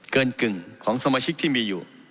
กึ่งของสมาชิกที่มีอยู่